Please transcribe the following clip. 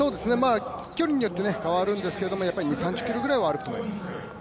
距離によって変わるんですが、３０ｋｍぐらいは歩くと思います。